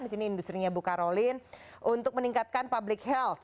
di sini industri nya bu karolin untuk meningkatkan public health